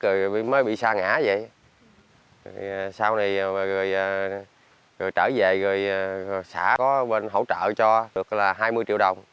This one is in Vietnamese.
ngã ngã vậy sau này rồi trở về rồi xã có bên hỗ trợ cho được là hai mươi triệu đồng